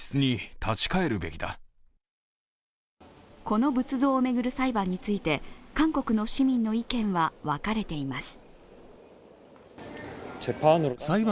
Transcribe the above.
この仏像を巡る裁判について韓国の市民の意見は分かれています。